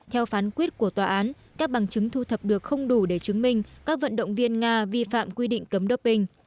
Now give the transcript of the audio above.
theo phán quyết của tòa án các bằng chứng thu thập được không đủ để chứng minh các vận động viên nga vi phạm quy định cấm doping